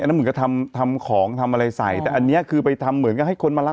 เหมือนกับทำทำของทำอะไรใส่แต่อันนี้คือไปทำเหมือนกับให้คนมารับ